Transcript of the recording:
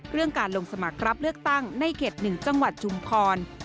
เรื่องการลงสมัครรับเลือกตั้งในเขต๑จังหวัดชุมพร